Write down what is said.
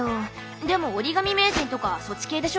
でも折り紙名人とかそっち系でしょ！